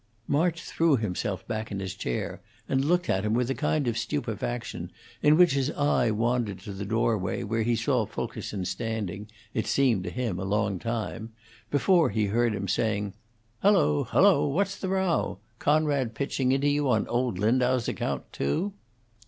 March threw himself back in his chair and looked at him with a kind of stupefaction, in which his eye wandered to the doorway, where he saw Fulkerson standing, it seemed to him a long time, before he heard him saying: "Hello, hello! What's the row? Conrad pitching into you on old Lindau's account, too?"